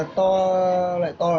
ờ to lại to là năm trăm linh k ạ